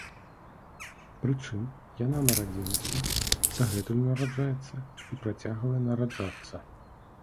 Прычым, яна нарадзілася, дагэтуль нараджаецца і працягвае нараджацца!